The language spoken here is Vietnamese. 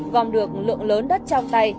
vòng được lượng lớn đất trong tay